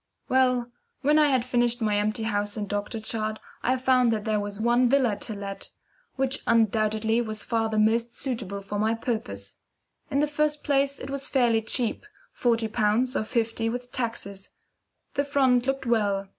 Well, when I had finished my empty house and doctor chart, I found that there was one villa to let, which undoubtedly was far the most suitable for my purpose. In the first place it was fairly cheap forty pounds, or fifty with taxes. The front looked well.